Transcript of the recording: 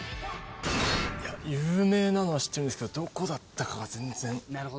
有名なのは知ってるんですけどどこだったかが全然。